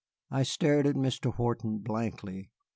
I stared at Mr. Wharton blankly.